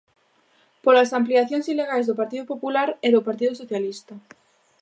Polas ampliacións ilegais do Partido Popular e do Partido Socialista.